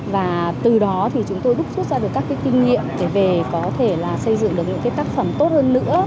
và từ đó thì chúng tôi đúc xuất ra được các kinh nghiệm để về có thể xây dựng được những tác phẩm tốt hơn nữa